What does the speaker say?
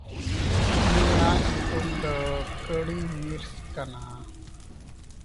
ᱩᱱᱤᱭᱟᱜ ᱧᱩᱛᱩᱢ ᱫᱚ ᱠᱟᱲᱤᱢᱤᱨᱥ ᱠᱟᱱᱟ᱾